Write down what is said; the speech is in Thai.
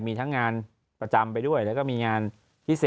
มีทั้งงานประจำไปด้วยแล้วก็มีงานพิเศษ